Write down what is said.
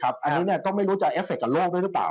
อันนี้ก็ไม่รู้จะเอฟเคกับโลกด้วยหรือเปล่า